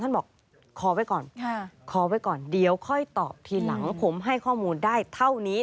ท่านบอกคอไว้ก่อนเดี๋ยวค่อยตอบทีหลังผมให้ข้อมูลได้เท่านี้